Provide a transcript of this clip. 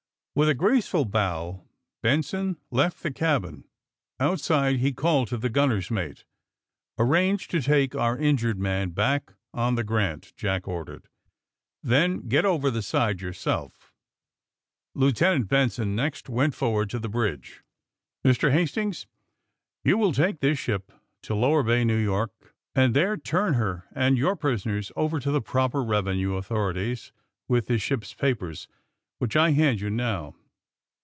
'' With a graceful bow Benson left the cabin. Outside he called to the gunner's mate. *^ Arrange to take our injured man back on the * Grant,' " Jack ordered. *^Then get over the side yourself." Lieutenant Benson next went forward to the bridge. 216 THE SUBMAEINE BOYS li Mr. Hastings, you will take this ship to Lower Bay, New York, and there turn her and your prisoners over to the proper revenue au thorities, with this ship's papers, which I hand you now.